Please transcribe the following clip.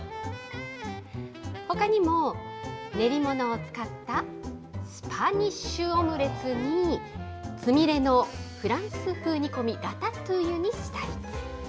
ほかにも、練り物を使ったスパニッシュオムレツに、つみれのフランス風煮込み、ラタトゥイユにしたり。